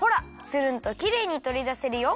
つるんときれいにとりだせるよ。